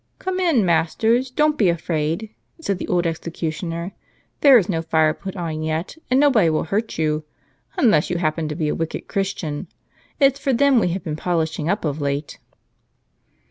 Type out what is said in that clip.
"Come in, masters, don't be afraid," said the old execu tioner. " There is no fire put on yet, and nobody will hurt you, unless you happen to be a wicked Christian. It's for them we have been polishing up of late."